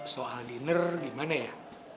soal dinner gimana ya